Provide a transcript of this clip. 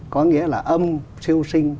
có nghĩa là âm siêu sinh